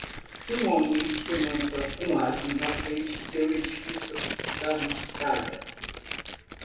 Um homem que monta um asno na frente de um edifício da mostarda.